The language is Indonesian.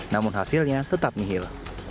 namun hasilnya tetap nihil